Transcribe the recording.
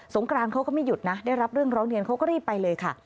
กรานเขาก็ไม่หยุดนะได้รับเรื่องร้องเรียนเขาก็รีบไปเลยค่ะ